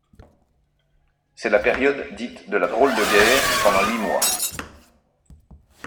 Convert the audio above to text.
C’est la période dite de la drôle de guerre pendant huit mois.